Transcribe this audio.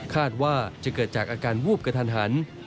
คาดว่าจะเกิดจากอาการวูบกระทันหัน